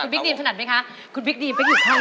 ขุนบิ๊กดีมถนัดไหมคะขุนบิ๊กดีมไปอยู่ข้างคุณค่ะ